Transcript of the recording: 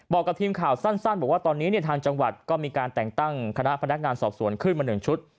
กับทีมข่าวสั้นบอกว่าตอนนี้ทางจังหวัดก็มีการแต่งตั้งคณะพนักงานสอบสวนขึ้นมา๑ชุด